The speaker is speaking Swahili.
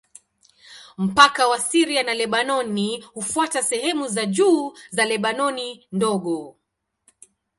Mpaka wa Syria na Lebanoni hufuata sehemu za juu za Lebanoni Ndogo.